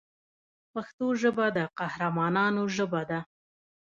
پښتو ژبه د قهرمانانو ژبه ده.